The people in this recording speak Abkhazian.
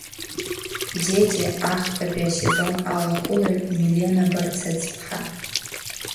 Дети ахԥатәи асезон алахәылаҩ Милена Барцыцԥҳа.